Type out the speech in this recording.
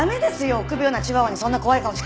臆病なチワワにそんな怖い顔近づけたら。